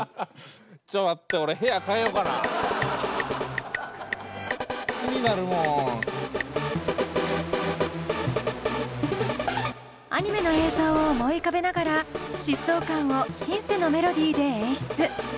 ちょ待ってアニメの映像を思い浮かべながら疾走感をシンセのメロディーで演出。